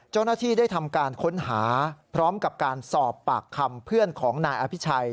เจ้าหน้าที่ได้ทำการค้นหาพร้อมกับการสอบปากคำเพื่อนของนายอภิชัย